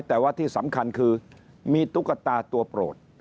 แต่ว่าที่สำคัญคือมีตุ๊กตาตัวโปรด